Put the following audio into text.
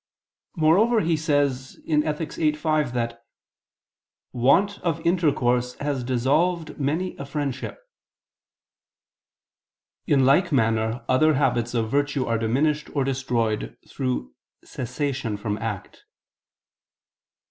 Moreover he says (Ethic. viii, 5) that "want of intercourse has dissolved many a friendship." In like manner other habits of virtue are diminished or destroyed through cessation from act.